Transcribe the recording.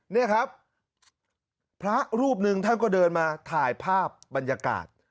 นี่ครับพระรูปหนึ่งท่านก็เดินมาถ่ายภาพบรรยากาศ